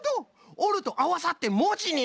おるとあわさってもじになる。